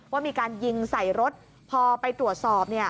ว่ามีการยิงใส่รถพอไปตรวจสอบเนี่ย